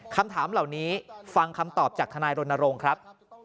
คำถามเหล่านี้ฟังคำตอบจากทนายรณรงค์ครับ